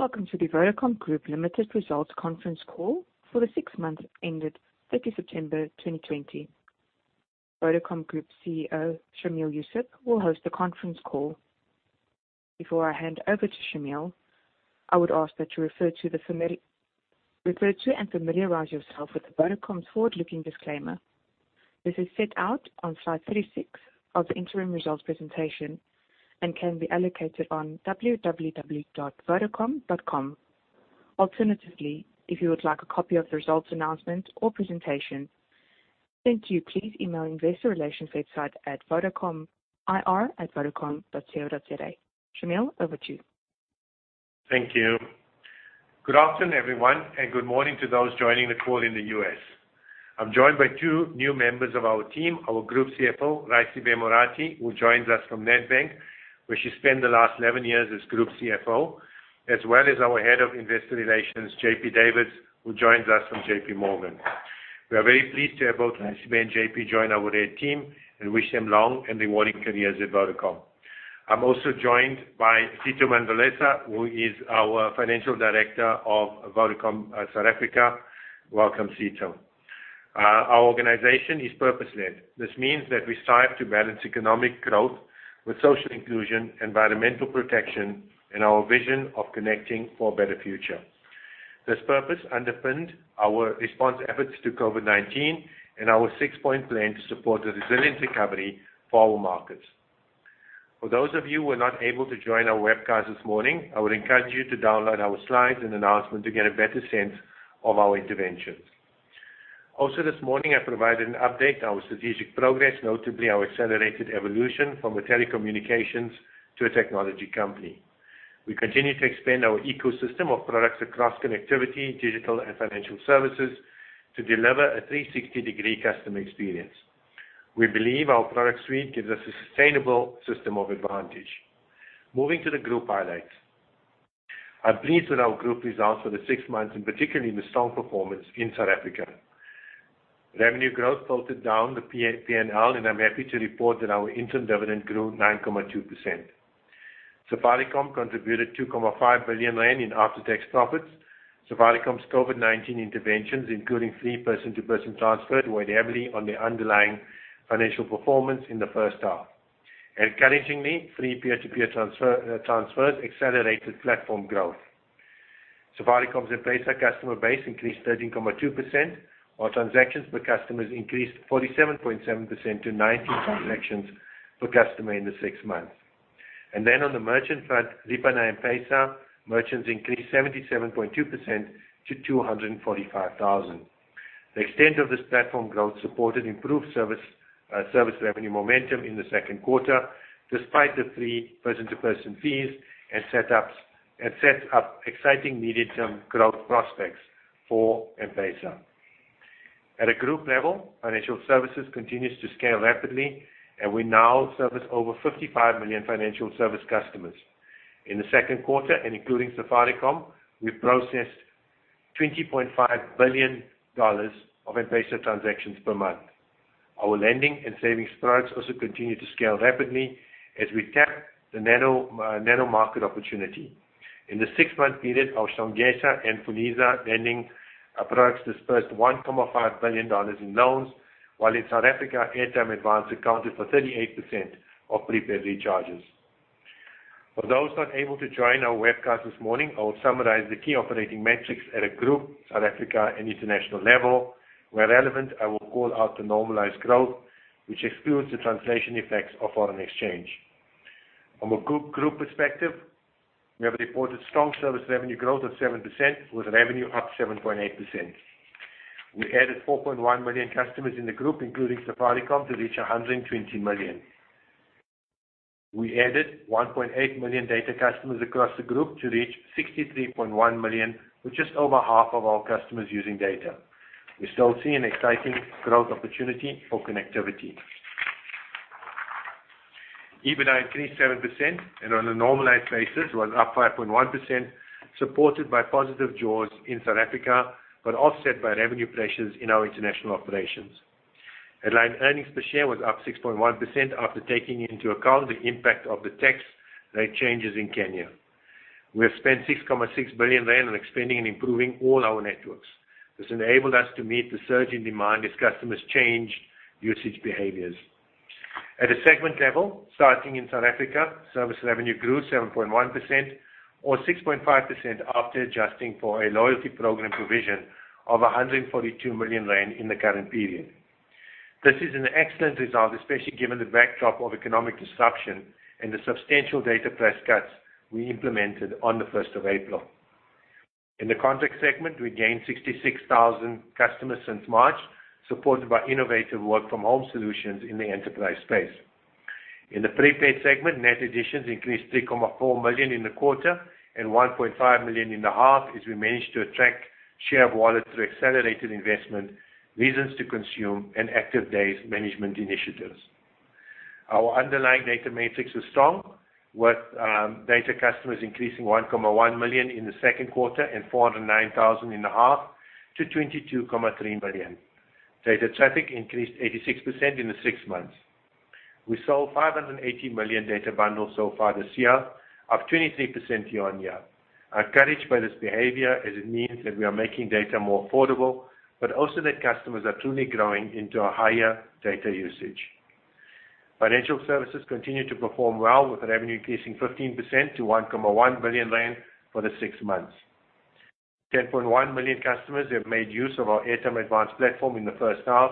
Welcome to the Vodacom Group Limited results conference call for the six months ended 30 September 2020. Vodacom Group CEO, Shameel Joosub, will host the conference call. Before I hand over to Shameel, I would ask that you refer to and familiarize yourself with Vodacom's forward-looking disclaimer. This is set out on slide 36 of the interim results presentation and can be allocated on www.vodacom.com. Alternatively, if you would like a copy of the results announcement or presentation sent to you, please email investor relations website at Vodacomir@vodacom.co.za. Shameel, over to you. Thank you. Good afternoon, everyone, and good morning to those joining the call in the U.S. I'm joined by two new members of our team, our Group CFO, Raisibe Morathi, who joins us from Nedbank, where she spent the last 11 years as Group CFO, as well as our Head of Investor Relations, JP Davids, who joins us from JPMorgan. We are very pleased to have both Raisibe and JP join our team and wish them long and rewarding careers at Vodacom. I'm also joined by Sitho Mdlalose, who is our Financial Director of Vodacom South Africa. Welcome, Sitho. Our organization is purpose-led. This means that we strive to balance economic growth with social inclusion, environmental protection, and our vision of connecting for a better future. This purpose underpinned our response efforts to COVID-19 and our six-point plan to support the resilient recovery for our markets. For those of you who were not able to join our webcast this morning, I would encourage you to download our slides and announcement to get a better sense of our interventions. This morning, I provided an update on our strategic progress, notably our accelerated evolution from a telecommunications to a technology company. We continue to expand our ecosystem of products across connectivity, digital, and financial services to deliver a 360-degree customer experience. We believe our product suite gives a sustainable system of advantage. Moving to the group highlights. I'm pleased with our group results for the 6 months, and particularly the strong performance in South Africa. Revenue growth filtered down the P&L, and I'm happy to report that our interim dividend grew 9.2%. Safaricom contributed 2.5 billion rand in after-tax profits. Safaricom's COVID-19 interventions, including free person-to-person transfer, weighed heavily on the underlying financial performance in the first half. Encouragingly, free peer-to-peer transfers accelerated platform growth. Safaricom's M-PESA customer base increased 13.2%, while transactions per customers increased 47.7% to 90 transactions per customer in the six months. On the merchant front, Lipa Na M-PESA merchants increased 77.2% to 245,000. The extent of this platform growth supported improved service revenue momentum in the second quarter, despite the free person-to-person fees, and set up exciting medium-term growth prospects for M-PESA. At a group level, financial services continues to scale rapidly, and we now service over 55 million financial service customers. In the second quarter, and including Safaricom, we processed $20.5 billion of M-PESA transactions per month. Our lending and savings products also continue to scale rapidly as we tap the nano market opportunity. In the six-month period, our Songesha and Fuliza lending products dispersed ZAR 1.5 billion in loans, while in South Africa, Airtime Advance accounted for 38% of prepaid recharges. For those not able to join our webcast this morning, I will summarize the key operating metrics at a group, South Africa, and international level. Where relevant, I will call out the normalized growth, which excludes the translation effects of foreign exchange. From a group perspective, we have reported strong service revenue growth of 7%, with revenue up 7.8%. We added 4.1 million customers in the group, including Safaricom, to reach 120 million. We added 1.8 million data customers across the group to reach 63.1 million, with just over half of our customers using data. We still see an exciting growth opportunity for connectivity. EBITDA increased 7%, and on a normalized basis was up 5.1%, supported by positive jaws in South Africa, but offset by revenue pressures in our international operations. Headline earnings per share was up 6.1% after taking into account the impact of the tax rate changes in Kenya. We have spent 6.6 billion rand on expanding and improving all our networks. This enabled us to meet the surge in demand as customers changed usage behaviors. At a segment level, starting in South Africa, service revenue grew 7.1%, or 6.5% after adjusting for a loyalty program provision of 142 million rand in the current period. This is an excellent result, especially given the backdrop of economic disruption and the substantial data price cuts we implemented on the 1st of April. In the contract segment, we gained 66,000 customers since March, supported by innovative work-from-home solutions in the enterprise space. In the prepaid segment, net additions increased 3.4 million in the quarter and 1.5 million in the half as we managed to attract share of wallet through accelerated investment, reasons to consume, and active days management initiatives. Our underlying data metrics was strong, with data customers increasing 1.1 million in the second quarter and 409,000 in the half to 22.3 million. Data traffic increased 86% in the six months. We sold 580 million data bundles so far this year, up 23% year-on-year. Encouraged by this behavior, as it means that we are making data more affordable, also that customers are truly growing into a higher data usage. Financial services continue to perform well, with revenue increasing 15% to 1.1 billion rand for the six months. 10.1 million customers have made use of our Airtime Advance platform in the first half,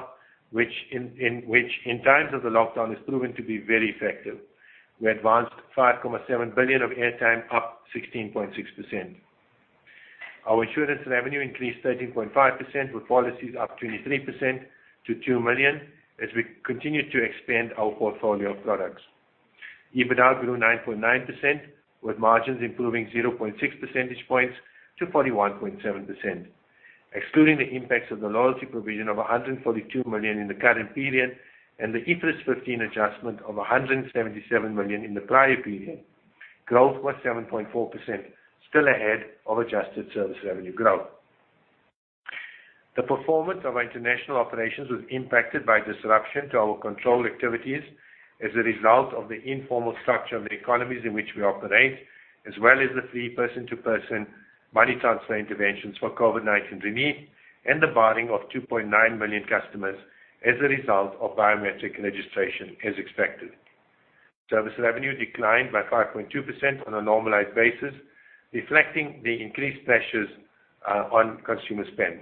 which, in times of the lockdown, has proven to be very effective. We advanced 5.7 billion of airtime, up 16.6%. Our insurance revenue increased 13.5%, with policies up 23% to 2 million, as we continue to expand our portfolio of products. EBITDA grew 9.9%, with margins improving 0.6 percentage points to 41.7%. Excluding the impacts of the loyalty provision of 142 million in the current period and the IFRS 15 adjustment of 177 million in the prior period, growth was 7.4%, still ahead of adjusted service revenue growth. The performance of our international operations was impacted by disruption to our control activities as a result of the informal structure of the economies in which we operate, as well as the free person-to-person money transfer interventions for COVID-19 relief and the barring of 2.9 million customers as a result of biometric registration, as expected. Service revenue declined by 5.2% on a normalized basis, reflecting the increased pressures on consumer spend.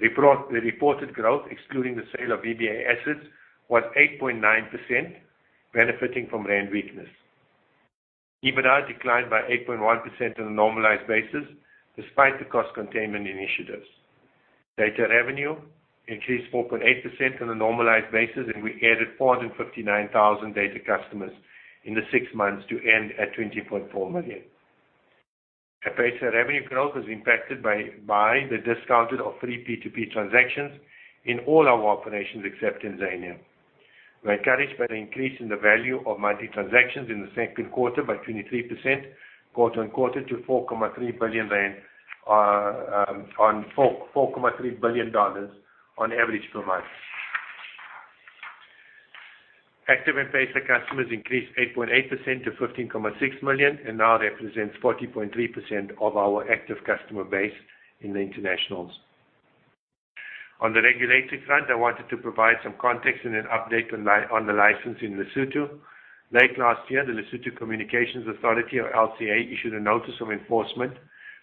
The reported growth, excluding the sale of VBA assets, was 8.9%, benefiting from ZAR weakness. EBITDA declined by 8.1% on a normalized basis, despite the cost containment initiatives. Data revenue increased 4.8% on a normalized basis, and we added 459,000 data customers in the six months to end at 20.4 million. Our pay-as-you-go revenue growth was impacted by the discounted or free P2P transactions in all our operations except in Zambia. We're encouraged by the increase in the value of money transactions in the second quarter by 23% quarter-on-quarter to $4.3 billion on average per month. Active M-PESA customers increased 8.8% to 15.6 million and now represents 40.3% of our active customer base in the internationals. On the regulatory front, I wanted to provide some context and an update on the license in Lesotho. Late last year, the Lesotho Communications Authority, or LCA, issued a notice of enforcement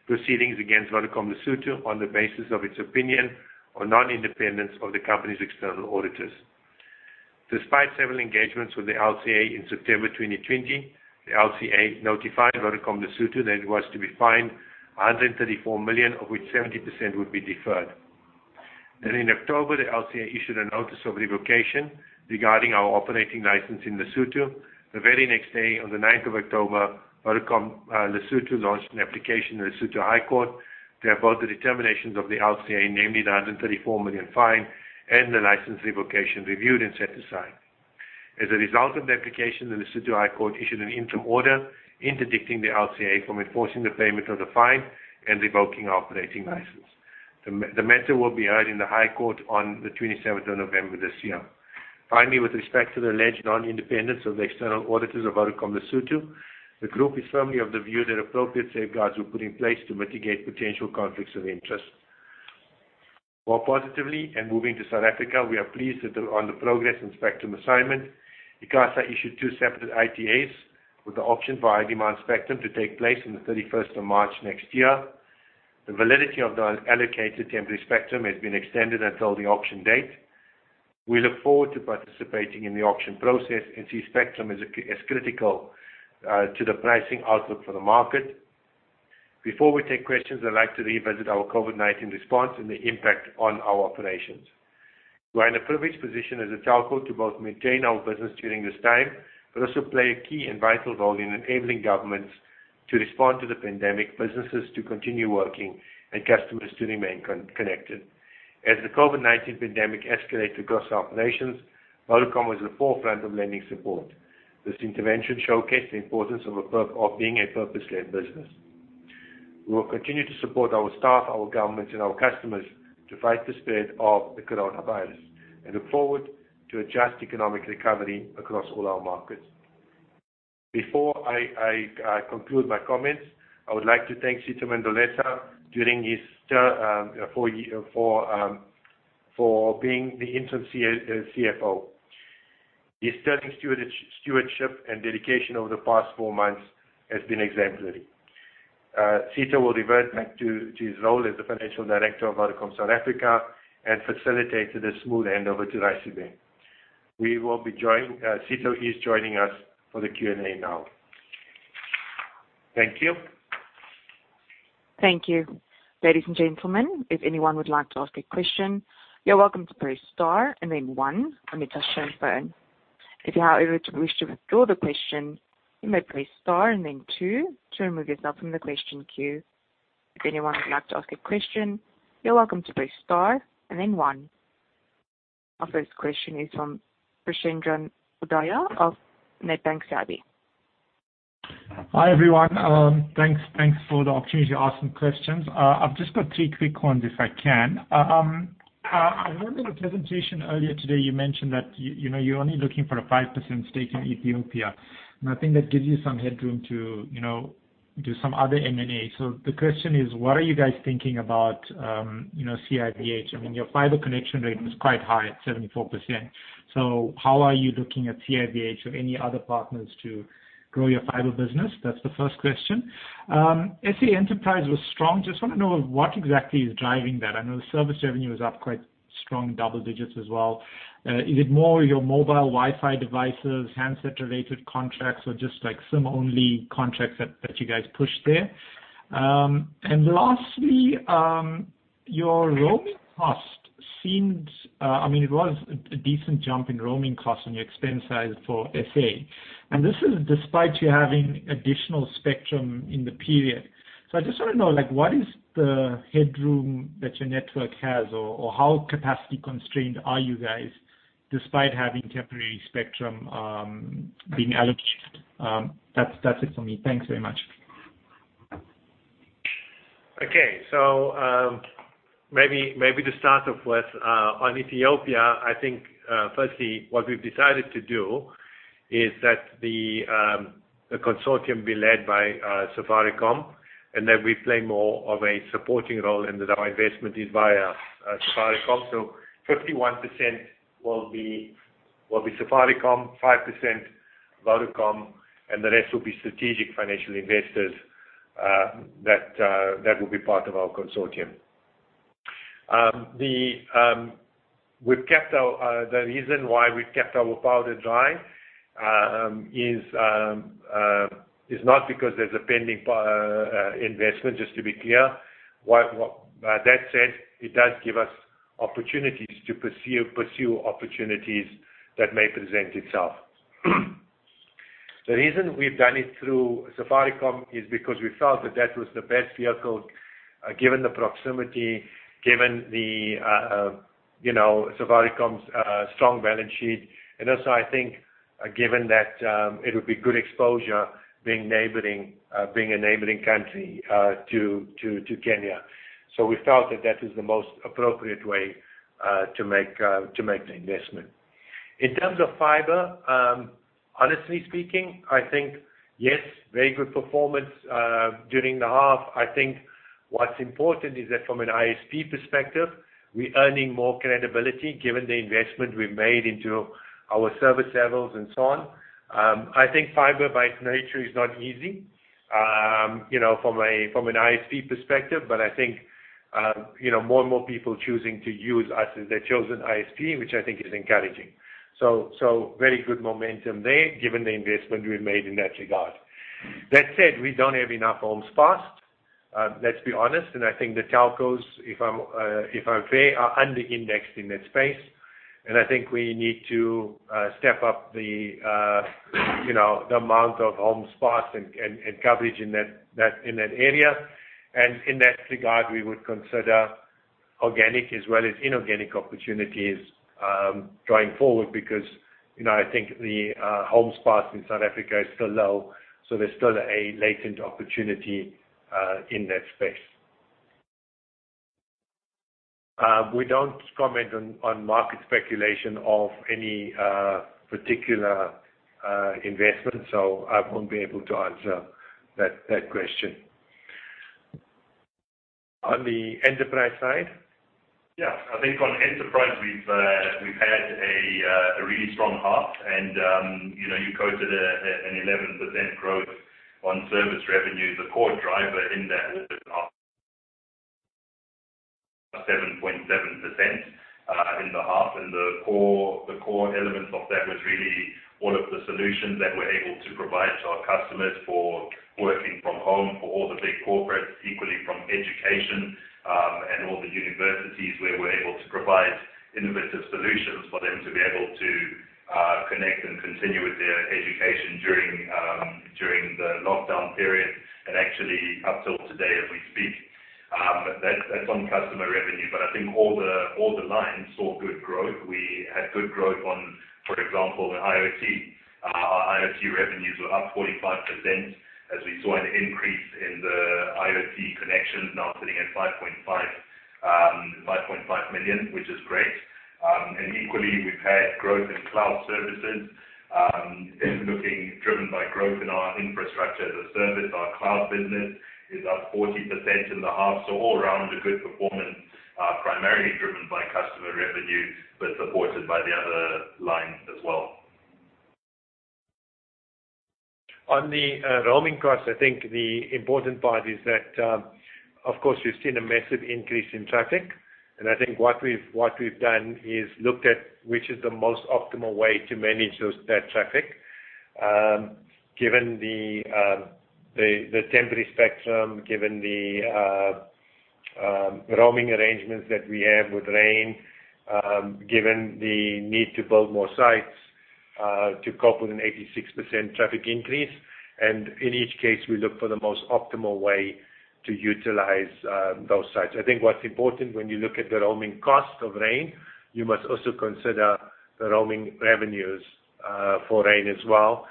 proceedings against Vodacom Lesotho on the basis of its opinion on non-independence of the company's external auditors. Despite several engagements with the LCA in September 2020, the LCA notified Vodacom Lesotho that it was to be fined 134 million, of which 70% would be deferred. In October, the LCA issued a notice of revocation regarding our operating license in Lesotho. The very next day, on the 8th of October, Vodacom Lesotho launched an application in the Lesotho High Court to have both the determinations of the LCA, namely the 134 million fine and the license revocation, reviewed and set aside. As a result of the application, the Lesotho High Court issued an interim order interdicting the LCA from enforcing the payment of the fine and revoking our operating license. The matter will be heard in the High Court on the 27th of November this year. Finally, with respect to the alleged non-independence of the external auditors of Vodacom Lesotho, the group is firmly of the view that appropriate safeguards were put in place to mitigate potential conflicts of interest. More positively, and moving to South Africa, we are pleased on the progress in spectrum assignment. ICASA issued two separate ITAs, with the option for high-demand spectrum to take place on the 31st of March next year. The validity of the allocated temporary spectrum has been extended until the auction date. We look forward to participating in the auction process and see spectrum as critical to the pricing outlook for the market. Before we take questions, I'd like to revisit our COVID-19 response and the impact on our operations. We're in a privileged position as a telco to both maintain our business during this time, but also play a key and vital role in enabling governments to respond to the pandemic, businesses to continue working, and customers to remain connected. As the COVID-19 pandemic escalated across our operations, Vodacom was at the forefront of lending support. This intervention showcased the importance of being a purpose-led business. We will continue to support our staff, our governments, and our customers to fight the spread of the coronavirus and look forward to a just economic recovery across all our markets. Before I conclude my comments, I would like to thank Sitho Mdlalose during his term for being the interim CFO. His sterling stewardship and dedication over the past four months has been exemplary. Sitho will revert back to his role as the Financial Director of Vodacom South Africa and facilitate the smooth handover to Raisibe. Sitho is joining us for the Q&A now. Thank you. Thank you. Ladies and gentlemen, if anyone would like to ask a question, you are welcome to press star and then one on your touch-tone phone. If you, however, wish to withdraw the question, you may press star and then two to remove yourself from the question queue. If anyone would like to ask a question, you are welcome to press star and then one. Our first question is from Preshendran Odayar of Nedbank CIB. Hi, everyone. Thanks for the opportunity to ask some questions. I've just got three quick ones if I can. I remember the presentation earlier today, you mentioned that you're only looking for a 5% stake in Ethiopia, and I think that gives you some headroom to do some other M&A. The question is, what are you guys thinking about CIVH? Your fiber connection rate was quite high at 74%. How are you looking at CIVH or any other partners to grow your fiber business? That's the first question. SA Enterprise was strong. Just want to know what exactly is driving that. I know the service revenue is up quite strong double digits as well. Is it more your mobile Wi-Fi devices, handset-related contracts, or just SIM-only contracts that you guys pushed there? Lastly, your roaming cost, it was a decent jump in roaming cost on your expense side for SA. This is despite you having additional spectrum in the period. I just want to know, what is the headroom that your network has, or how capacity constrained are you guys despite having temporary spectrum being allocated? That's it from me. Thanks very much. Okay. Maybe to start off with, on Ethiopia, I think, firstly, what we've decided to do is that the consortium be led by Safaricom, and then we play more of a supporting role and that our investment is via Safaricom. 51% will be Safaricom, 5% Vodacom, and the rest will be strategic financial investors that will be part of our consortium. The reason why we've kept our powder dry is not because there's a pending investment, just to be clear. That said, it does give us opportunities to pursue opportunities that may present itself. The reason we've done it through Safaricom is because we felt that that was the best vehicle, given the proximity, given Safaricom's strong balance sheet, and also, I think, given that it would be good exposure being a neighboring country to Kenya. We felt that that is the most appropriate way to make the investment. In terms of fiber, honestly speaking, I think, yes, very good performance during the half. I think what's important is that from an ISP perspective, we're earning more credibility given the investment we've made into our service levels and so on. I think fiber by its nature is not easy from an ISP perspective, but I think more and more people choosing to use us as their chosen ISP, which I think is encouraging. Very good momentum there, given the investment we've made in that regard. That said, we don't have enough homes passed, let's be honest, and I think the telcos, if I'm fair, are under-indexed in that space. I think we need to step up the amount of homes passed and coverage in that area. In that regard, we would consider organic as well as inorganic opportunities, going forward, because I think the homes passed in South Africa is still low, so there's still a latent opportunity in that space. We don't comment on market speculation of any particular investment, so I won't be able to answer that question. On the enterprise side? I think on enterprise, we've had a really strong half and you quoted an 11% growth on service revenue. The core driver in that order 7.7% in the half, the core element of that was really all of the solutions that we're able to provide to our customers for working from home for all the big corporates, equally from education, and all the universities where we're able to provide innovative solutions for them to be able to connect and continue with their education during the lockdown period and actually up till today as we speak. That's on customer revenue. I think all the lines saw good growth. We had good growth on, for example, IoT. Our IoT revenues were up 45% as we saw an increase in the IoT connections now sitting at 5.5 million, which is great. Equally, we've had growth in cloud services, driven by growth in our infrastructure as a service. Our cloud business is up 40% in the half, all around a good performance, primarily driven by customer revenue, but supported by the other lines as well. On the roaming cost, I think the important part is that, of course, we've seen a massive increase in traffic, and I think what we've done is looked at which is the most optimal way to manage that traffic, given the temporary spectrum, given the roaming arrangements that we have with Rain, given the need to build more sites, to cope with an 86% traffic increase. In each case, we look for the most optimal way to utilize those sites. I think what's important when you look at the roaming cost of Rain, you must also consider-The roaming revenues for Rain as well.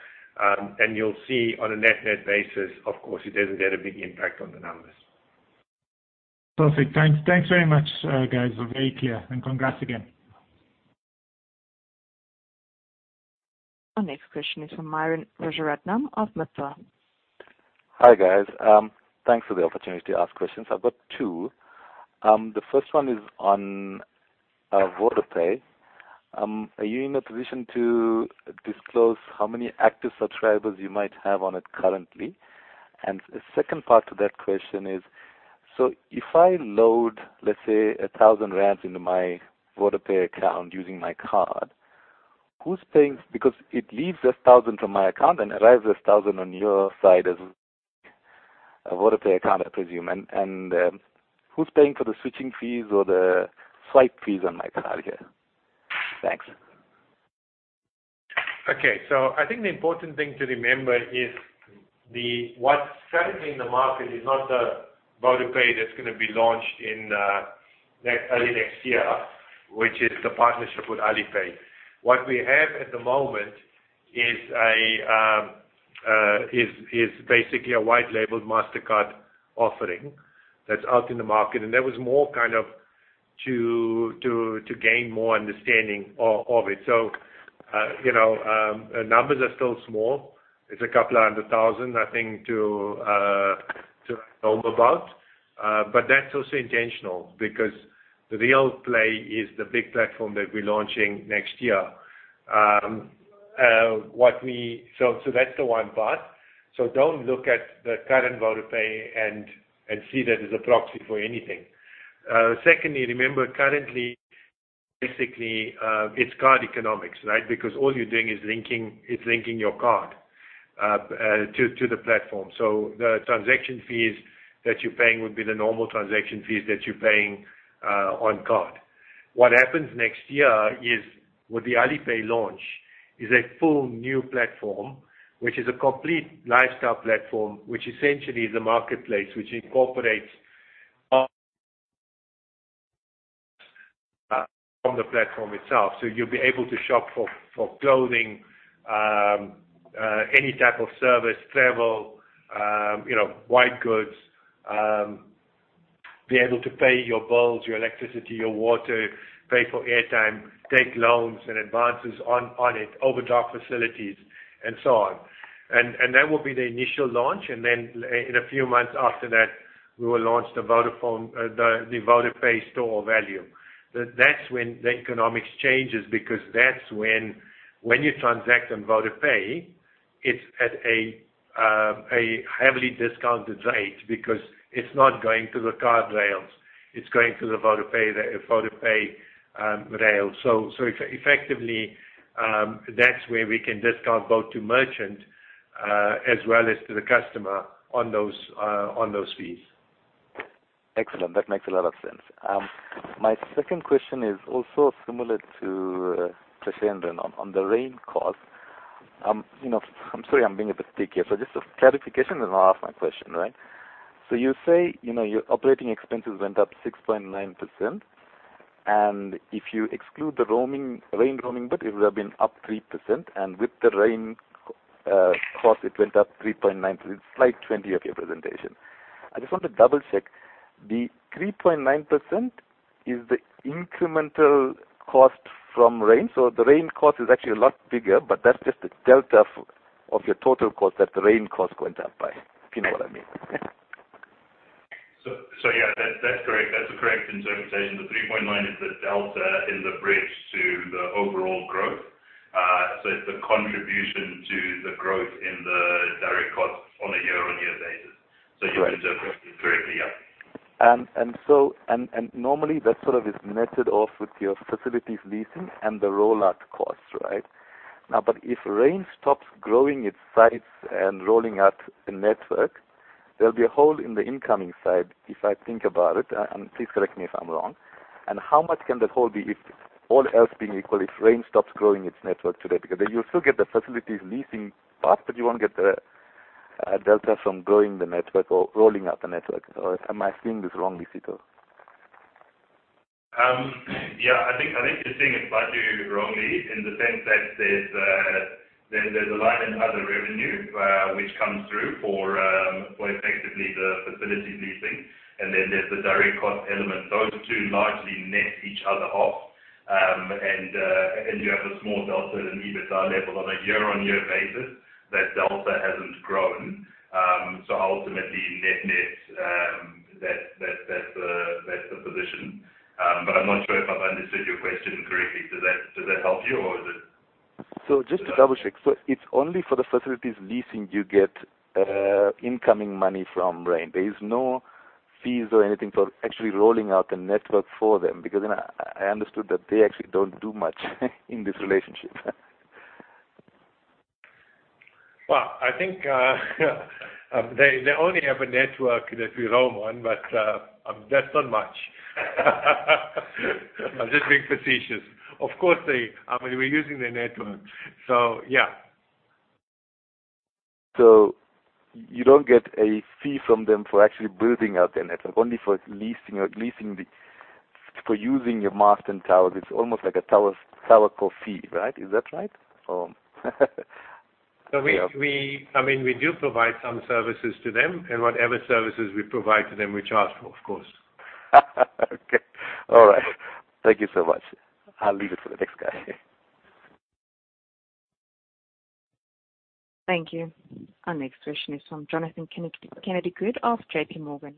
You'll see on a net basis, of course, it doesn't have a big impact on the numbers. Perfect. Thanks very much, guys. Very clear. Congrats again. Our next question is from Myuran Rajaratnam of MIBFA. Hi, guys. Thanks for the opportunity to ask questions. I've got two. The first one is on VodaPay. Are you in a position to disclose how many active subscribers you might have on it currently? The second part to that question is: if I load, let's say, 1,000 rand into my VodaPay account using my card, who's paying? It leaves 1,000 from my account and arrives 1,000 on your side as a VodaPay account, I presume. Who's paying for the switching fees or the swipe fees on my card here? Thanks. Okay. I think the important thing to remember is what's currently in the market is not the VodaPay that's going to be launched early next year, which is the partnership with Alipay. What we have at the moment is basically a white labeled Mastercard offering that's out in the market. That was more to gain more understanding of it. Our numbers are still small. It's a couple of 100,000, I think, to know about. That's also intentional because the real play is the big platform that we're launching next year. That's the one part. Don't look at the current VodaPay and see that as a proxy for anything. Secondly, remember, currently, basically, it's card economics, right? Because all you're doing is linking your card to the platform. The transaction fees that you're paying would be the normal transaction fees that you're paying on card. What happens next year is with the Alipay launch is a full new platform, which is a complete lifestyle platform, which essentially is a marketplace which incorporates on the platform itself. You'll be able to shop for clothing, any type of service, travel, white goods, be able to pay your bills, your electricity, your water, pay for airtime, take loans and advances on it, overdraft facilities, and so on. That will be the initial launch, and then in a few months after that, we will launch the VodaPay store of value. That's when the economics changes, because that's when you transact on VodaPay, it's at a heavily discounted rate because it's not going to the card rails, it's going to the VodaPay rail. Effectively, that's where we can discount both to merchant, as well as to the customer on those fees. Excellent. That makes a lot of sense. My second question is also similar to Preshendran on the Rain cost. I'm sorry, I'm being a bit thick here. Just a clarification, then I'll ask my question. You say your operating expenses went up 6.9%, and if you exclude the Rain roaming bit, it would have been up 3%, and with the Rain cost, it went up 3.9%. It's slide 20 of your presentation. I just want to double-check. The 3.9% is the incremental cost from Rain. The Rain cost is actually a lot bigger, but that's just the delta of your total cost that the Rain cost went up by. If you know what I mean. Yeah. That's correct. That's a correct interpretation. The 3.9 is the delta in the bridge to the overall growth. It's the contribution to the growth in the direct costs on a year-over-year basis. Right. You interpreted correctly, yeah. Normally that sort of is netted off with your facilities leasing and the rollout costs, right? If Rain stops growing its sites and rolling out a network, there'll be a hole in the incoming side, if I think about it, and please correct me if I'm wrong. How much can that hole be if all else being equal, if Rain stops growing its network today? Then you'll still get the facilities leasing part, but you won't get the delta from growing the network or rolling out the network. Am I seeing this wrongly, Sitho? Yeah, I think you're seeing it partly wrongly in the sense that there's a line in other revenue, which comes through for effectively the facilities leasing, and then there's the direct cost element. Those two largely net each other off. You have a small delta at an EBITDA level on a year-on-year basis. That delta hasn't grown. Ultimately net-net, that's the position. I'm not sure if I've understood your question correctly. Does that help you or is it? Just to double-check. It's only for the facilities leasing you get incoming money from Rain? There is no fees or anything for actually rolling out the network for them, because then I understood that they actually don't do much in this relationship? Well, I think they only have a network that we roam on, but that's not much. I'm just being facetious. Of course, we're using their network. Yeah. You don't get a fee from them for actually building out their network, only for using your mast and towers. It's almost like a Tower co-fee, right? Is that right? We do provide some services to them, and whatever services we provide to them, we charge for, of course. Okay. All right. Thank you so much. I'll leave it for the next guy. Thank you. Our next question is from Jonathan Kennedy-Good of JPMorgan.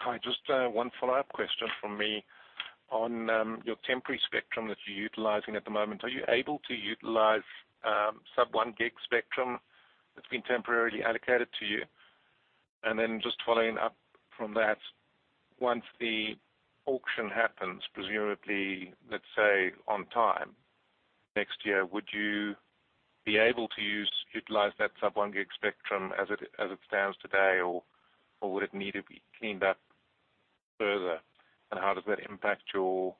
Hi. Just one follow-up question from me. On your temporary spectrum that you're utilizing at the moment, are you able to utilize sub-1 GHz spectrum that's been temporarily allocated to you? Just following up from that, once the auction happens, presumably, let's say, on time, next year, would you be able to utilize that sub-1 GHz spectrum as it stands today, or would it need to be cleaned up further? How does that impact your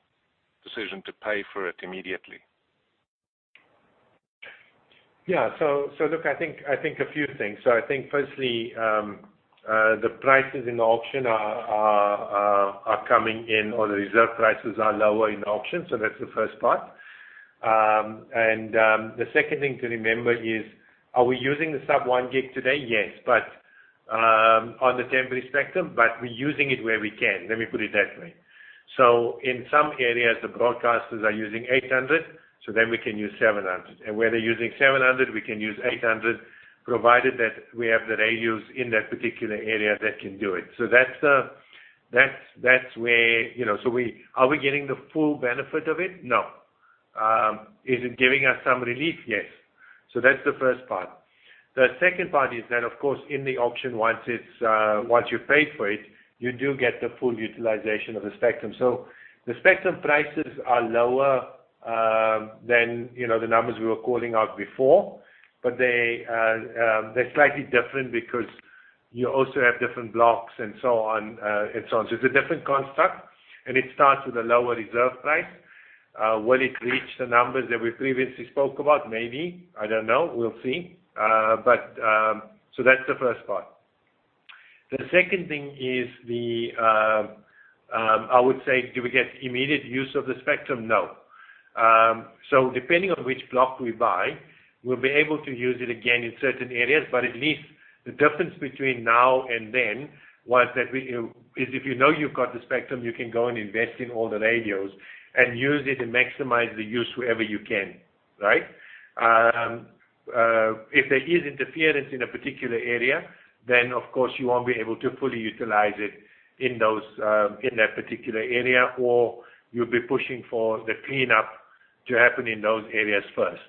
decision to pay for it immediately? Yeah. Look, I think a few things. I think firstly, the prices in the auction are coming in, or the reserve prices are lower in the auction, so that's the first part. The second thing to remember is, are we using the sub-1 GHz today? Yes, on the temporary spectrum, but we're using it where we can. Let me put it that way. In some areas, the broadcasters are using 800, so then we can use 700. Where they're using 700, we can use 800, provided that we have the radios in that particular area that can do it. Are we getting the full benefit of it? No. Is it giving us some relief? Yes. That's the first part. The second part is then, of course, in the auction, once you've paid for it, you do get the full utilization of the spectrum. The spectrum prices are lower than the numbers we were calling out before, but they're slightly different because you also have different blocks and so on. It's a different construct, and it starts with a lower reserve price. Will it reach the numbers that we previously spoke about? Maybe. I don't know. We'll see. That's the first part. The second thing is the, I would say, do we get immediate use of the spectrum? No. Depending on which block we buy, we'll be able to use it again in certain areas, but at least the difference between now and then was that if you know you've got the spectrum, you can go and invest in all the radios and use it and maximize the use wherever you can, right? If there is interference in a particular area, then of course you won't be able to fully utilize it in that particular area, or you'll be pushing for the cleanup to happen in those areas first.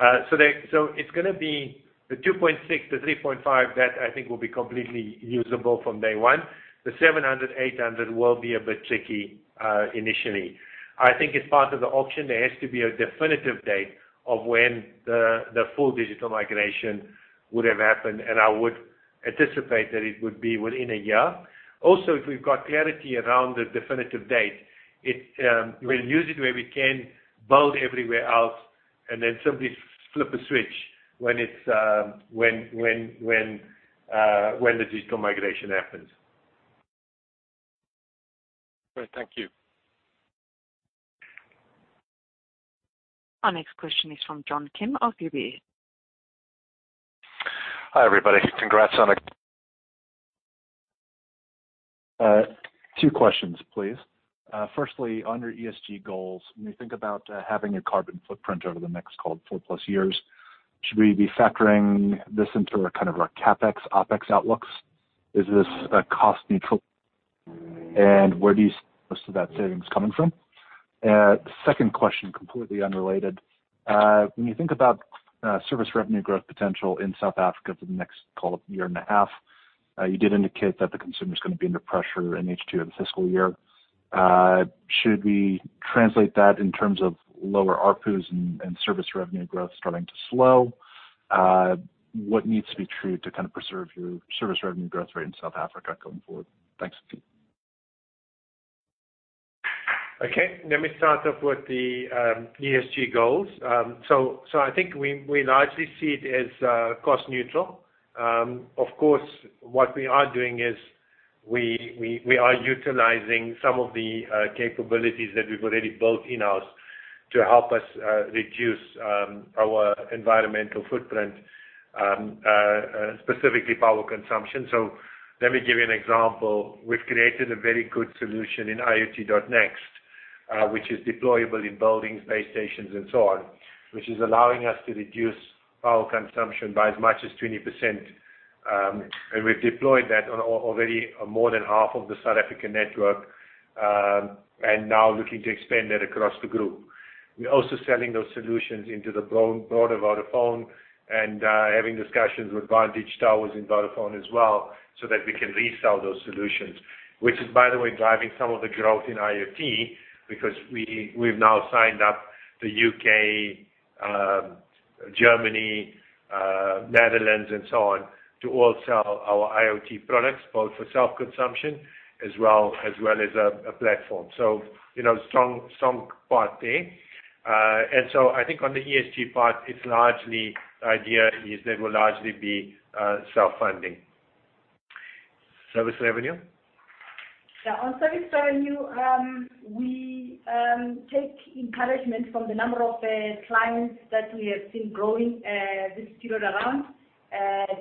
It's going to be the 2.6-3.5 that I think will be completely usable from day one. The 700, 800 will be a bit tricky initially. I think as part of the auction, there has to be a definitive date of when the full digital migration would have happened, and I would anticipate that it would be within one year. If we've got clarity around the definitive date, we'll use it where we can, build everywhere else, and then simply flip a switch when the digital migration happens. Great. Thank you. Our next question is from John Kim of UBS. Hi, everybody. Congrats on a. Two questions, please. Firstly, on your ESG goals, when you think about having a carbon footprint over the next, call it four-plus years, should we be factoring this into our CapEx, OpEx outlooks? Is this cost neutral? Where do you see most of that savings coming from? Second question, completely unrelated. When you think about service revenue growth potential in South Africa for the next, call it year and a half, you did indicate that the consumer's going to be under pressure in H2 of the fiscal year. Should we translate that in terms of lower ARPUs and service revenue growth starting to slow? What needs to be true to preserve your service revenue growth rate in South Africa going forward? Thanks. Let me start off with the ESG goals. I think we largely see it as cost neutral. Of course, what we are doing is we are utilizing some of the capabilities that we've already built in-house to help us reduce our environmental footprint, specifically power consumption. Let me give you an example. We've created a very good solution in IoT.nxt, which is deployable in buildings, base stations and so on, which is allowing us to reduce power consumption by as much as 20%. We've deployed that on already more than half of the South African network, and now looking to expand that across the group. We're also selling those solutions into the broader Vodafone and having discussions with Vantage Towers in Vodafone as well, so that we can resell those solutions. Which is, by the way, driving some of the growth in IoT because we've now signed up the U.K., Germany. Netherlands, and so on, to all sell our IoT products, both for self-consumption as well as a platform. Strong part there. I think on the ESG part, the idea is they will largely be self-funding. Service revenue? Yeah, on service revenue, we take encouragement from the number of clients that we have seen growing this period around,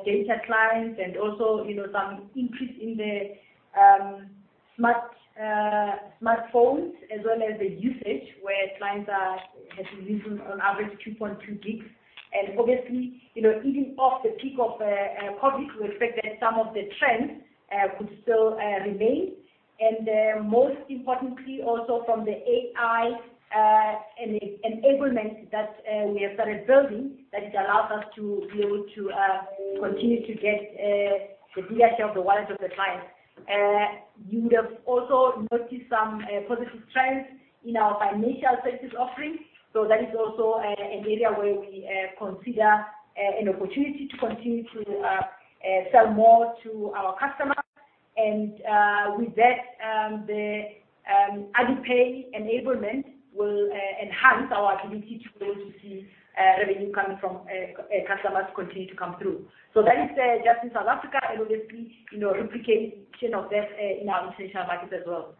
data clients, and also some increase in the smartphones, as well as the usage where clients are using on average 2.2 gigs. Obviously, even off the peak of COVID, we expect that some of the trends could still remain. Most importantly, also from the AI enablement that we have started building, that it allows us to be able to continue to get the bigger share of the wallet of the client. You would have also noticed some positive trends in our financial services offerings. That is also an area where we consider an opportunity to continue to sell more to our customers. With that, the Alipay enablement will enhance our ability to be able to see revenue coming from customers continue to come through. That is just in South Africa, and obviously, replication of that in our international markets as well.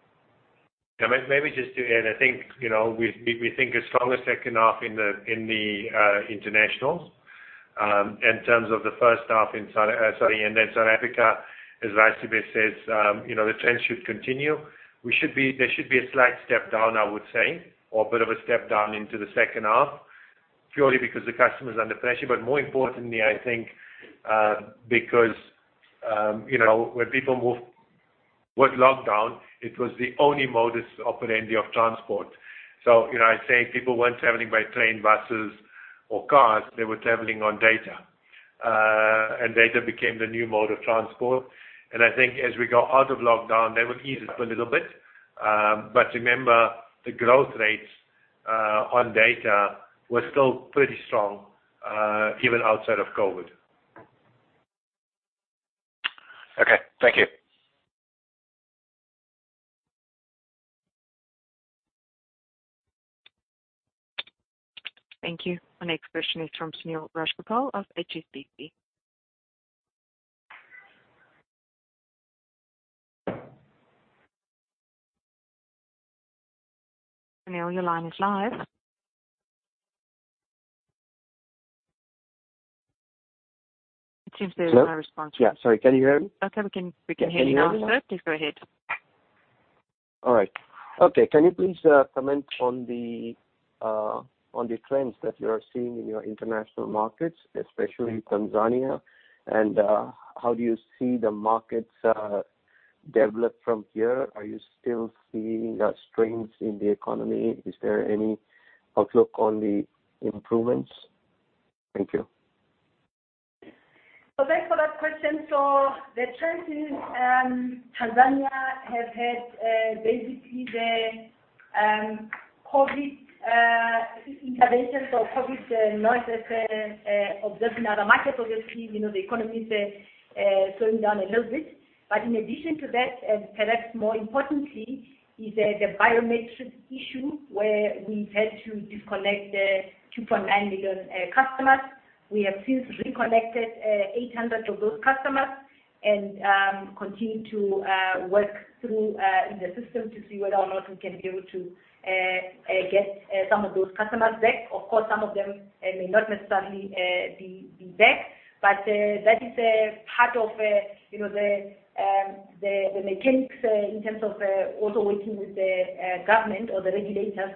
Maybe just to add, I think, we think as strong a second half in the internationals in terms of the first half. South Africa, as Raisibe says, the trend should continue. There should be a slight step down, I would say, or a bit of a step down into the second half, purely because the customer's under pressure. More importantly, I think, because with lockdown, it was the only modus operandi of transport. I say people weren't traveling by train, buses, or cars, they were traveling on data. Data became the new mode of transport. I think as we go out of lockdown, that will ease up a little bit. Remember, the growth rates on data were still pretty strong even outside of COVID. Okay. Thank you. Thank you. Our next question is from Sunil Rajgopal of HSBC. Sunil, your line is live. It seems there is no response from- Hello? Yeah, sorry, can you hear me? Okay, we can hear you now, sir. Can you hear me? Please go ahead. All right. Okay, can you please comment on the trends that you are seeing in your international markets, especially Tanzania, and how do you see the markets develop from here? Are you still seeing strains in the economy? Is there any outlook on the improvements? Thank you. Thanks for that question. The trend in Tanzania have had basically the COVID interventions or COVID noises observed in other markets. Obviously, the economy is slowing down a little bit. In addition to that, perhaps more importantly, is the biometric issue, where we've had to disconnect 2.9 million customers. We have since reconnected 800 of those customers and continue to work through in the system to see whether or not we can be able to get some of those customers back. Of course, some of them may not necessarily be back. That is a part of the mechanics in terms of also working with the government or the regulators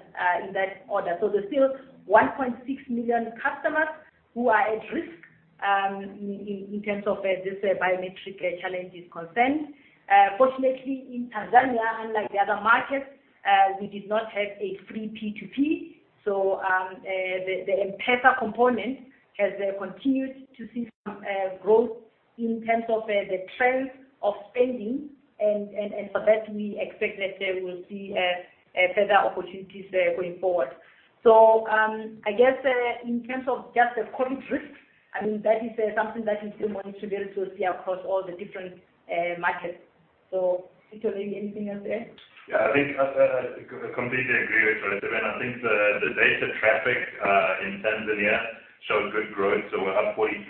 in that order. There's still 1.6 million customers who are at risk in terms of this biometric challenge is concerned. Fortunately, in Tanzania, unlike the other markets, we did not have a free P2P. The M-PESA component has continued to see some growth in terms of the trends of spending, and for that we expect that we will see further opportunities going forward. I guess, in terms of just the COVID risks, that is something that is still monitored to see across all the different markets. Sitho, maybe anything else there? Yeah, I think I completely agree with Raisibe. I think the data traffic in Tanzania showed good growth. We're up 43.8%,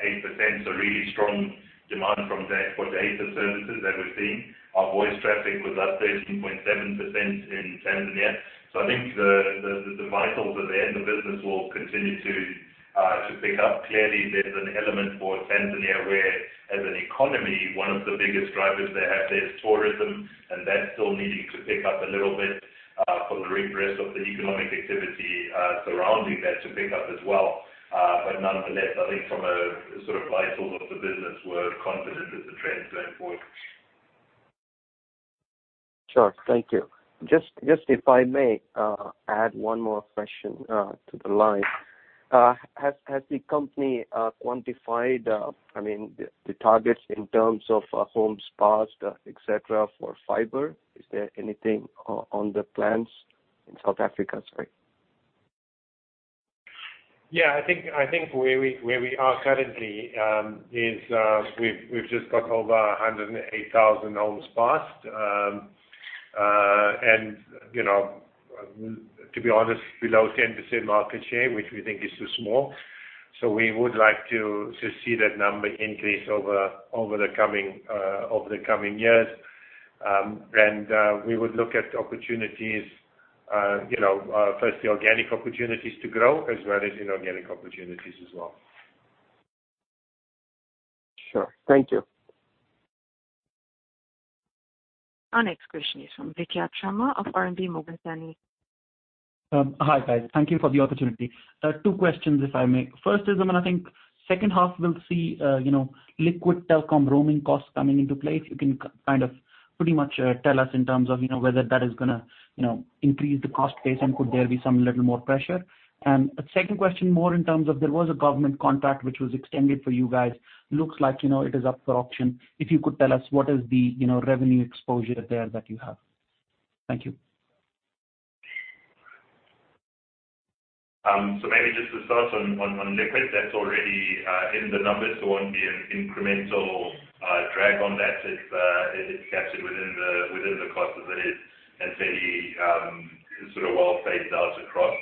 really strong demand for data services that we're seeing. Our voice traffic was up 13.7% in Tanzania. I think the vitals are there. The business will continue to pick up. Clearly, there's an element for Tanzania where, as an economy, one of the biggest drivers they have there is tourism. That's still needing to pick up a little bit for the rest of the economic activity surrounding that to pick up as well. Nonetheless, I think from a sort of vitals of the business, we're confident that the trends going forward. Sure. Thank you. Just if I may add one more question to the line. Has the company quantified the targets in terms of homes passed, et cetera, for fiber? Is there anything on the plans in South Africa? Sorry. Yeah, I think where we are currently is we've just got over 108,000 homes passed. To be honest, below 10% market share, which we think is too small. We would like to see that number increase over the coming years. We would look at opportunities, first the organic opportunities to grow, as well as inorganic opportunities as well. Sure. Thank you. Our next question is from Vidya Sharma of RMB Morgan Stanley. Hi, guys. Thank you for the opportunity. Two questions, if I may. First is, I think second half we'll see Liquid Telecom roaming costs coming into play. If you can pretty much tell us in terms of whether that is going to increase the cost base, and could there be some little more pressure. A second question more in terms of there was a government contract which was extended for you guys. Looks like it is up for auction. If you could tell us what is the revenue exposure there that you have. Thank you. Maybe just to start on Liquid, that's already in the numbers. It won't be an incremental drag on that if captured within the cost as it is. Fairly sort of well phased out across.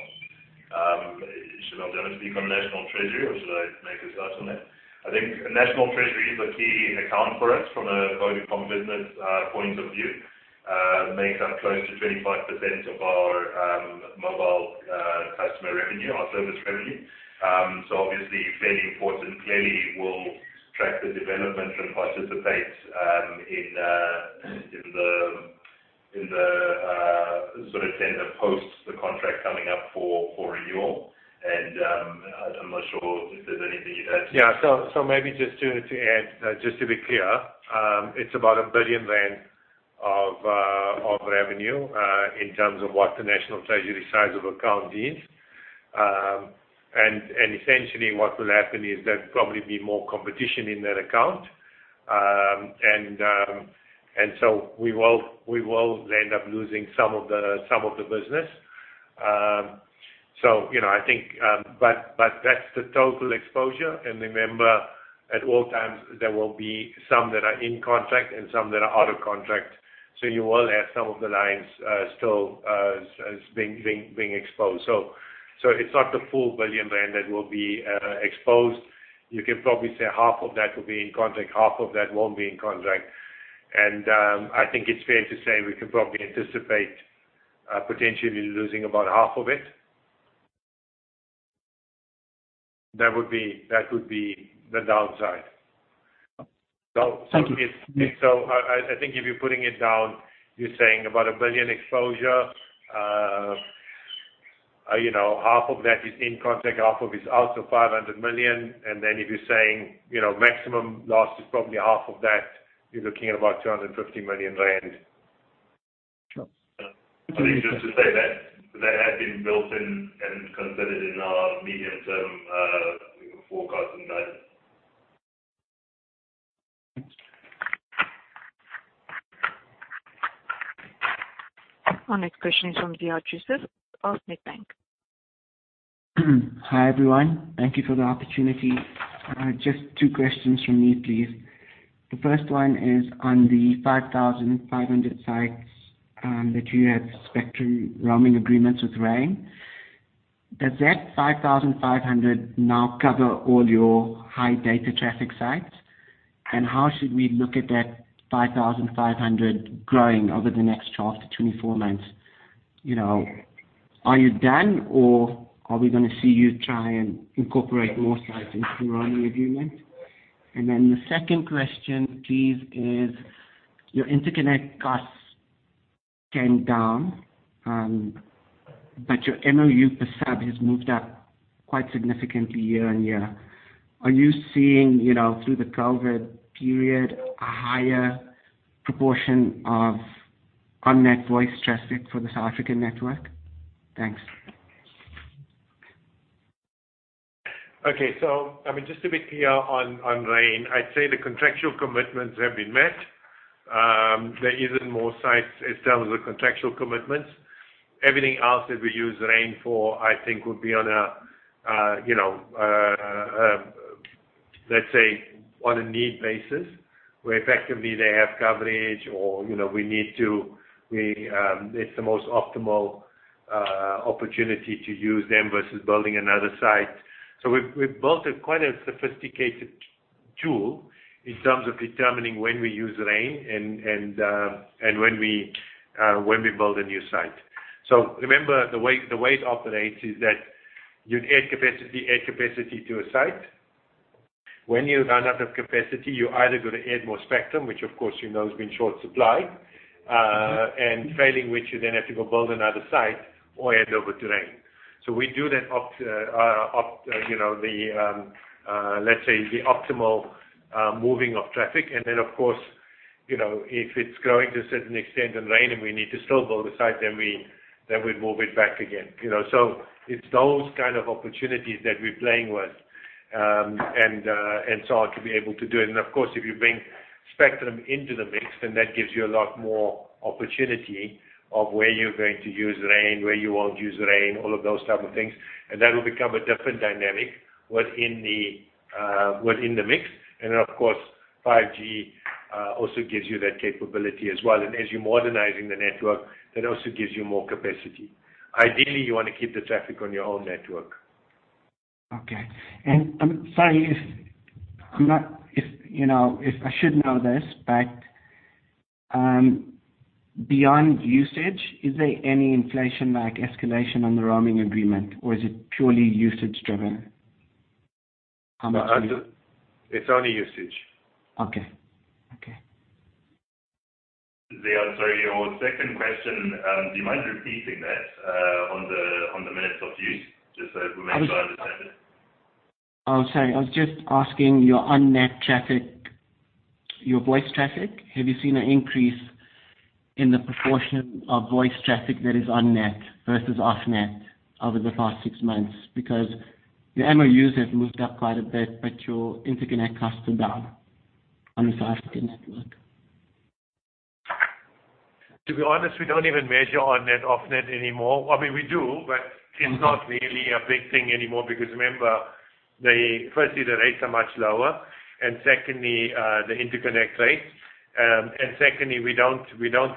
Shameel, do you want to speak on National Treasury, or should I make a start on that? I think National Treasury is a key account for us from a mobile comm business point of view. Makes up close to 25% of our mobile customer revenue, our service revenue. Obviously fairly important. Clearly, we'll track the development and participate in the sort of tender post the contract coming up for renewal. I'm not sure if there's anything you'd add to that. Maybe just to add, just to be clear, it's about 1 billion rand of revenue, in terms of what the National Treasury size of account is. Essentially what will happen is there'd probably be more competition in that account. We will end up losing some of the business. That's the total exposure, and remember at all times there will be some that are in contract and some that are out of contract. You will have some of the lines still as being exposed. It's not the full 1 billion rand that will be exposed. You can probably say half of that will be in contract, half of that won't be in contract. I think it's fair to say we can probably anticipate potentially losing about half of it. That would be the downside. Thank you. I think if you're putting it down, you're saying about 1 billion exposure. Half of that is in contract, half of is out, so 500 million. Then if you're saying maximum loss is probably half of that, you're looking at about 250 million rand. Sure. I think just to say that had been built in and considered in our medium term forecast and guidance. Our next question is from Preshendran Odayar of Nedbank. Hi, everyone. Thank you for the opportunity. Just two questions from me, please. The first one is on the 5,500 sites that you had spectrum roaming agreements with Rain. Does that 5,500 now cover all your high data traffic sites? How should we look at that 5,500 growing over the next 12 months-24 months? Are you done, or are we going to see you try and incorporate more sites into roaming agreement? The second question please, is your interconnect costs came down, but your MOU per sub has moved up quite significantly year-on-year. Are you seeing, through the COVID period, a higher proportion of on-net voice traffic for the South African network? Thanks. Okay. Just to be clear on Rain, I'd say the contractual commitments have been met. There isn't more sites in terms of contractual commitments. Everything else that we use Rain for, I think, would be on a, let's say, on a need basis, where effectively they have coverage or it's the most optimal opportunity to use them versus building another site. We've built quite a sophisticated tool in terms of determining when we use Rain and when we build a new site. Remember, the way it operates is that you'd add capacity to a site. When you run out of capacity, you either got to add more spectrum, which of course you know has been short supply, and failing which, you then have to go build another site or hand over to Rain. We do that, let's say, the optimal moving of traffic. Then, of course, if it's growing to a certain extent in Rain and we need to still build a site, then we'd move it back again. It's those kind of opportunities that we're playing with and so to be able to do. Of course, if you bring spectrum into the mix, and that gives you a lot more opportunity of where you're going to use Rain, where you won't use Rain, all of those types of things. That will become a different dynamic within the mix. Then, of course, 5G also gives you that capability as well. As you're modernizing the network, that also gives you more capacity. Ideally, you want to keep the traffic on your own network. Okay. I'm sorry if, I should know this, but beyond usage, is there any inflation like escalation on the roaming agreement, or is it purely usage-driven? It's only usage. Okay. Odayar, sorry, your second question, do you mind repeating that on the minutes of use, just so we make sure I understand it? Oh, sorry. I was just asking your on-net traffic, your voice traffic, have you seen an increase in the proportion of voice traffic that is on-net versus off-net over the past six months? Your MOUs have moved up quite a bit, but your interconnect costs are down on the South African network. To be honest, we don't even measure on-net, off-net anymore. I mean, we do, but it's not really a big thing anymore because remember, firstly, the rates are much lower, the interconnect rate. Secondly, we don't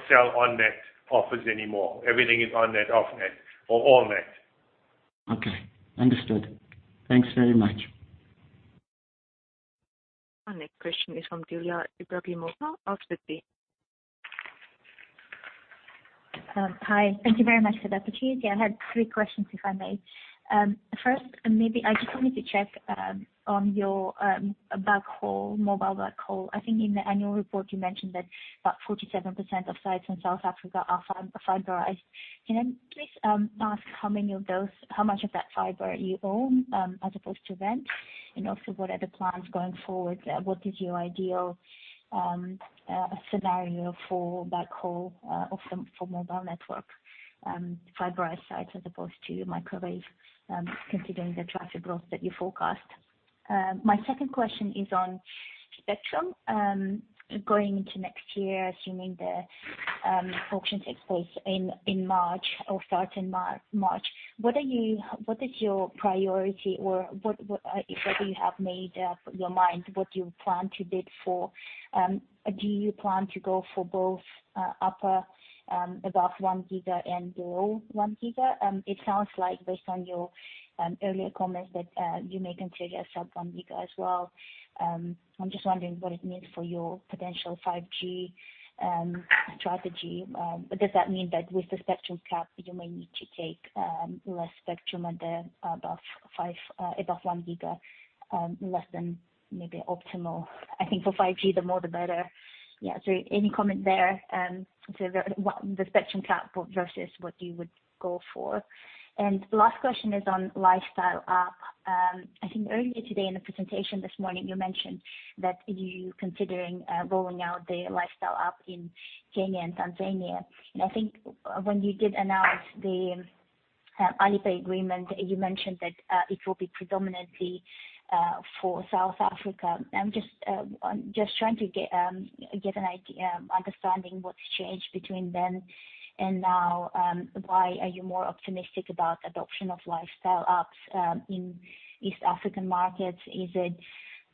sell on-net offers anymore. Everything is on-net, off-net, or all-net. Okay. Understood. Thanks very much. Our next question is from Dilya Ibragimova of Citi. Hi. Thank you very much for the opportunity. I had three questions, if I may. First, maybe I just wanted to check on your backhaul, mobile backhaul. I think in the annual report, you mentioned that about 47% of sites in South Africa are fiberized. Can I please ask how many of those, how much of that fiber you own, as opposed to rent? What are the plans going forward? What is your ideal scenario for backhaul, also for mobile network, fiberized sites as opposed to microwave, considering the traffic growth that you forecast? My second question is on spectrum. Going into next year, assuming the auction takes place in March or starts in March, what is your priority or if whether you have made up your mind what you plan to bid for? Do you plan to go for both upper, above one giga and below one giga? It sounds like based on your earlier comments that you may consider sub-one giga as well. I'm just wondering what it means for your potential 5G strategy. Does that mean that with the spectrum cap, you may need to take less spectrum at the above one giga, less than maybe optimal. I think for 5G, the more the better. Yeah, any comment there? The spectrum cap versus what you would go for. Last question is on lifestyle app. I think earlier today in the presentation this morning, you mentioned that you considering rolling out the lifestyle app in Kenya and Tanzania. I think when you did announce the Alipay agreement, you mentioned that it will be predominantly for South Africa. I'm just trying to get an idea, understanding what's changed between then and now. Why are you more optimistic about adoption of lifestyle apps in East African markets? Is it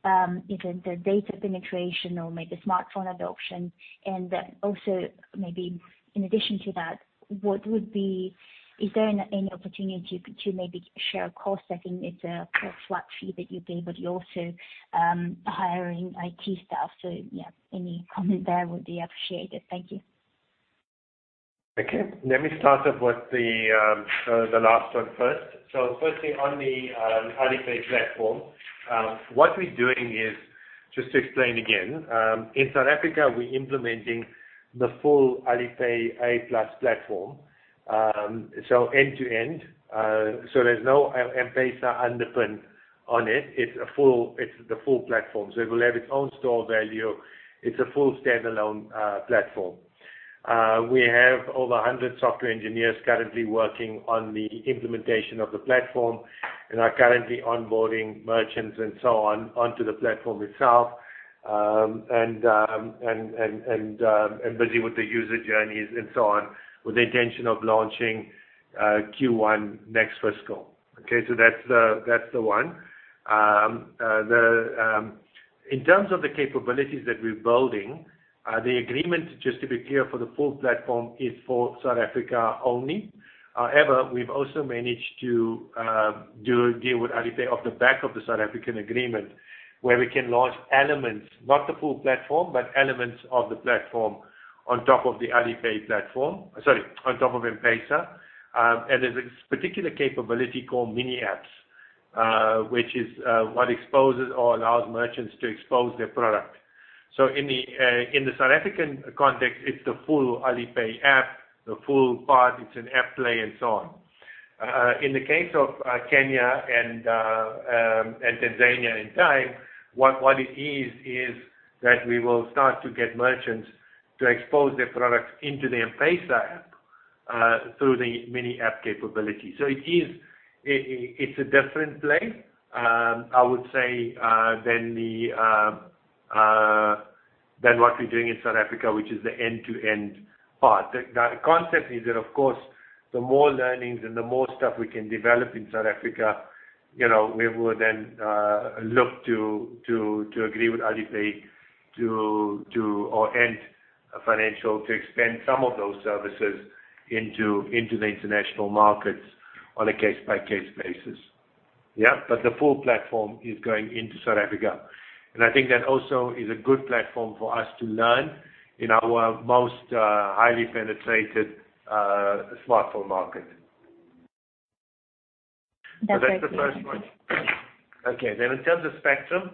the data penetration or maybe smartphone adoption? Also maybe in addition to that, is there any opportunity to maybe share a cost setting? It's a flat fee that you pay, but you're also hiring IT staff. Yeah, any comment there would be appreciated. Thank you. Let me start up with the last one first. Firstly, on the Alipay platform, what we're doing is, just to explain again, in South Africa, we're implementing the full Alipay+ platform, so end-to-end. There's no M-PESA underpin on it. It's the full platform. It will have its own stored value. It's a full standalone platform. We have over 100 software engineers currently working on the implementation of the platform and are currently onboarding merchants and so on onto the platform itself, and busy with the user journeys and so on, with the intention of launching Q1 next fiscal. That's the one. In terms of the capabilities that we're building, the agreement, just to be clear, for the full platform is for South Africa only. We've also managed to do a deal with Alipay off the back of the South African agreement, where we can launch elements, not the full platform, but elements of the platform on top of the Alipay platform. Sorry, on top of M-PESA. There's this particular capability called Mini Programs, which is what exposes or allows merchants to expose their product. In the South African context, it's the full Alipay app, the full part, it's an app play and so on. In the case of Kenya and Tanzania in time, what it is that we will start to get merchants to expose their products into the M-PESA app through the mini app capability. It's a different play, I would say, than what we're doing in South Africa, which is the end-to-end part. The concept is that, of course, the more learnings and the more stuff we can develop in South Africa, we will then look to agree with Alipay or Ant Financial to expand some of those services into the international markets on a case-by-case basis. The full platform is going into South Africa. I think that also is a good platform for us to learn in our most highly penetrated smartphone market. That's very clear. That's the first one. Okay, in terms of spectrum,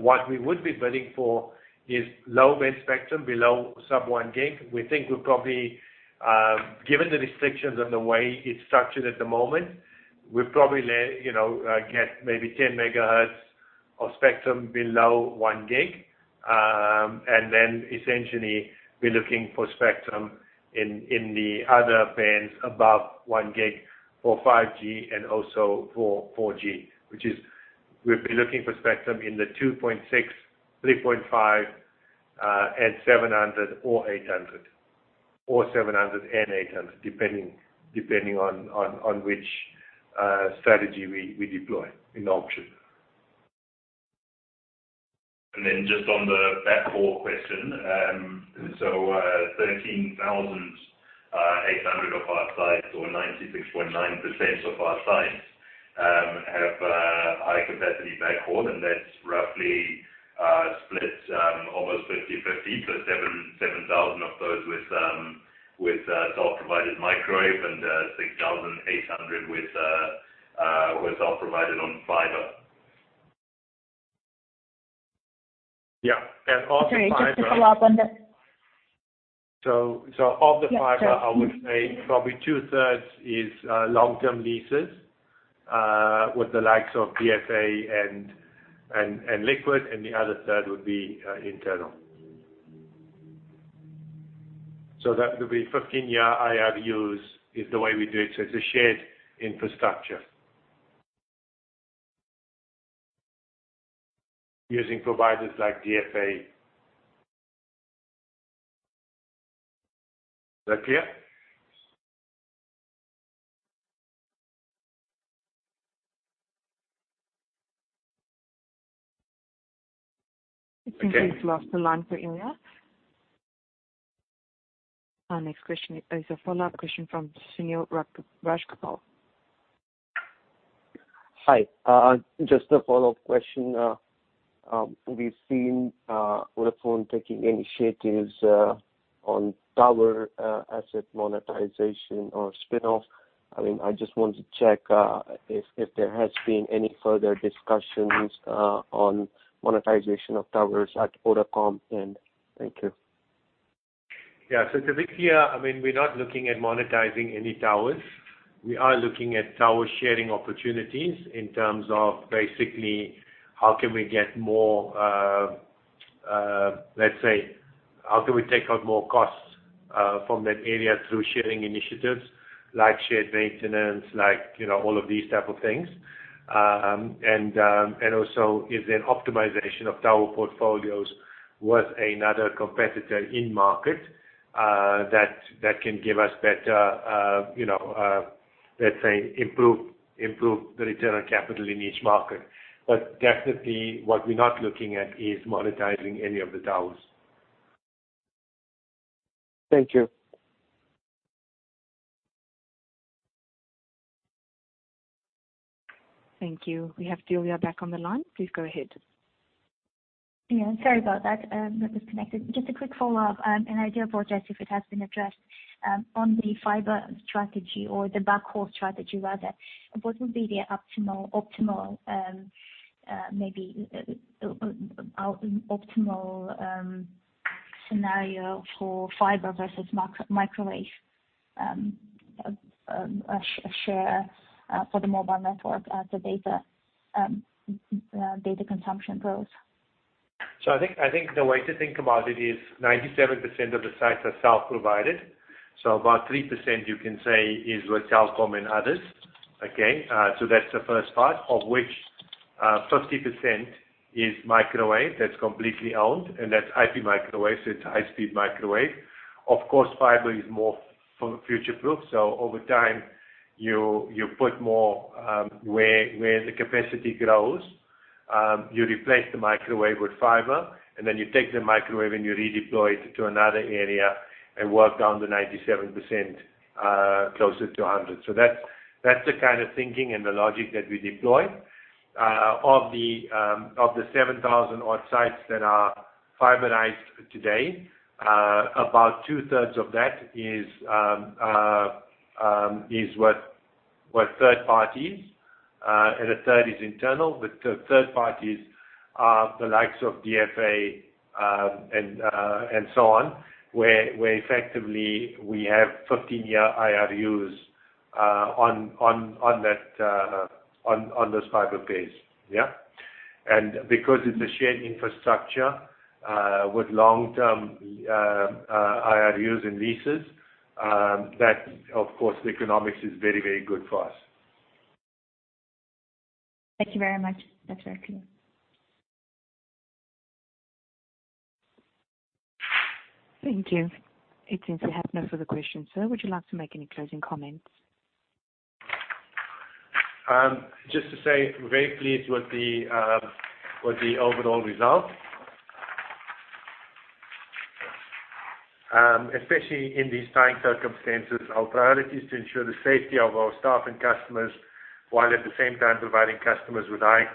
what we would be bidding for is low band spectrum below sub one gig. We think, given the restrictions and the way it's structured at the moment, we'll probably get maybe 10 megahertz of spectrum below one gig. Essentially, we're looking for spectrum in the other bands above one gig for 5G and also for 4G, which is we'll be looking for spectrum in the 2.6, 3.5, and 700 or 800. 700 and 800, depending on which strategy we deploy in the auction. Then just on the backhaul question. 13,800 of our sites or 96.9% of our sites have high capacity backhaul, and that's roughly split almost 50/50. 7,000 of those with self-provided microwave and 6,800 with self-provided on fiber. Yeah. And of the fiber- Sorry, just a follow-up on the- of the fiber Yes, sorry. I would say probably two-thirds is long-term leases with the likes of DFA and Liquid, and the other third would be internal. That would be 15-year IRUs is the way we do it. It's a shared infrastructure, using providers like DFA. Is that clear? It seems we've lost the line for Dilya. Our next question is a follow-up question from Sunil Rajgopal. Hi. Just a follow-up question. We've seen Vodafone taking initiatives on tower asset monetization or spin-off. I just want to check if there has been any further discussions on monetization of towers at Vodacom, and thank you. Specifically, we're not looking at monetizing any towers. We are looking at tower sharing opportunities in terms of basically how can we take out more costs from that area through sharing initiatives like shared maintenance, like all of these type of things. Is there optimization of tower portfolios with another competitor in market that can give us better, let's say, improve the return on capital in each market. Definitely what we're not looking at is monetizing any of the towers. Thank you. Thank you. We have Dilya back on the line. Please go ahead. Yeah, sorry about that. Not disconnected. Just a quick follow-up, and I apologize if it has been addressed. On the fiber strategy or the backhaul strategy rather, what would be the optimal scenario for fiber versus microwave share for the mobile network as the data consumption grows? I think the way to think about it is 97% of the sites are self-provided. About 3%, you can say, is with Telkom and others. Okay. That's the first part, of which 50% is microwave that's completely owned, and that's IP microwave, so it's high speed microwave. Of course, fiber is more future-proof. Over time, you put more where the capacity grows. You replace the microwave with fiber, and then you take the microwave and you redeploy it to another area and work down the 97% closer to 100. That's the kind of thinking and the logic that we deploy. Of the 7,000 odd sites that are fiberized today, about two-thirds of that is with third parties, and a third is internal. The third parties are the likes of DFA and so on, where effectively we have 15-year IRUs on those fiber pairs. Because it's a shared infrastructure with long-term IRUs and leases, of course, the economics is very, very good for us. Thank you very much. That's very clear. Thank you. It seems we have no further questions. Sir, would you like to make any closing comments? Just to say we're very pleased with the overall result. Especially in these trying circumstances, our priority is to ensure the safety of our staff and customers, while at the same time providing customers with high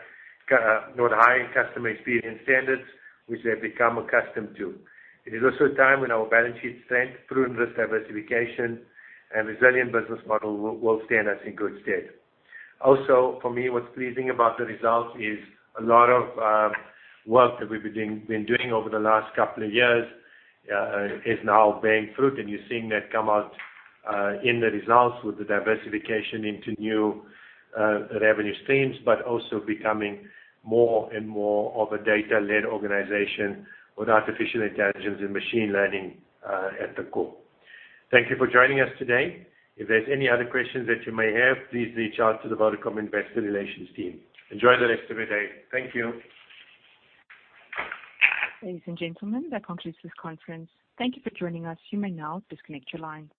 customer experience standards which they've become accustomed to. It is also a time when our balance sheet strength, prudent risk diversification, and resilient business model will stand us in good stead. Also, for me, what's pleasing about the results is a lot of work that we've been doing over the last couple of years is now bearing fruit, and you're seeing that come out in the results with the diversification into new revenue streams, but also becoming more and more of a data-led organization with artificial intelligence and machine learning at the core. Thank you for joining us today. If there's any other questions that you may have, please reach out to the Vodacom Investor Relations team. Enjoy the rest of your day. Thank you. Ladies and gentlemen, that concludes this conference. Thank you for joining us. You may now disconnect your line.